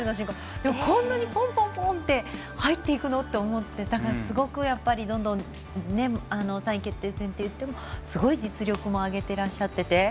でも、こんなにポンポンポンって入っていくの？って思ってどんどん３位決定戦といってもすごい実力を上げてらっしゃって。